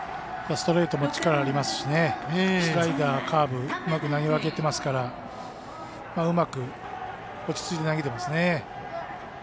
ストレートも力がありますしスライダー、カーブうまく投げ分けてますからうまく落ち着いて投げていますね。